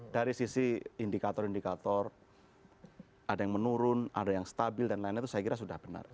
dari sisi indikator indikator ada yang menurun ada yang stabil dan lain lain itu saya kira sudah benar